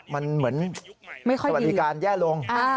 มันเหมือนสวัสดิการแย่ลง